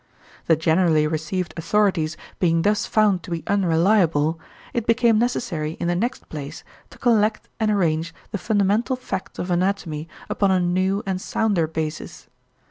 The generally received authorities being thus found to be unreliable, it became necessary in the next place to collect and arrange the fundamental facts of anatomy upon a new and sounder basis.